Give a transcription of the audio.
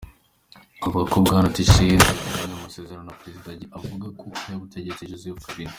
Avuga ko Bwana Tshisekedi yagiranye amasezerano na Perezida agira ave ku butegetsi Joseph Kabila.